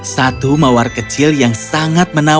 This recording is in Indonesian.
satu mawar kecil yang sangat menarik